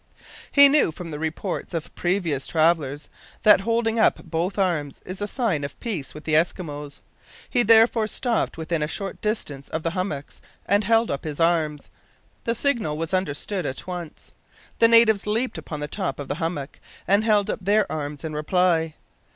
He knew, from the reports of previous travellers, that holding up both arms is a sign of peace with the Eskimos. He therefore stopped when within a short distance of the hummocks and held up his arms. The signal was understood at once. The natives leaped upon the top of the hummock and held up their arms in reply.